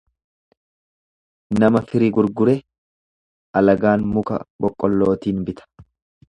Nama firi gurgure alagaan muka boqqollootiin bita.